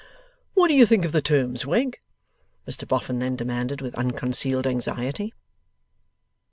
'What do you think of the terms, Wegg?' Mr Boffin then demanded, with unconcealed anxiety.